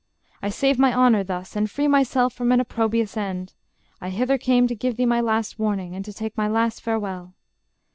I save my honor thus; and free myself From an opprobrious end. I hither came To give thee my last warning: and to take My last farewell...